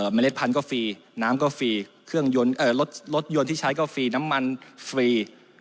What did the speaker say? เล็ดพันธุก็ฟรีน้ำก็ฟรีเครื่องยนต์รถยนต์ที่ใช้ก็ฟรีน้ำมันฟรี